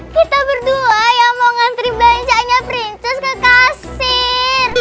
kita berdua yang mau ngantri bancahnya princess ke kasir